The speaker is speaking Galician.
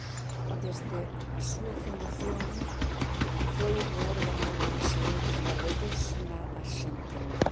Desde a súa fundación foi o órgano dos residentes galegos na Arxentina.